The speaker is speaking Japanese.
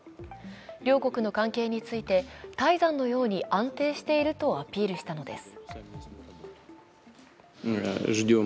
両国の関係について、泰山のように安定しているとアピールしたのです。